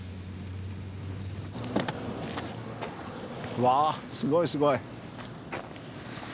うわすごいすごい。